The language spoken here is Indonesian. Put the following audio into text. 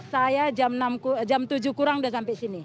saya jam tujuh kurang sudah sampai sini